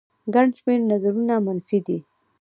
ګڼ شمېر نظرونه منفي دي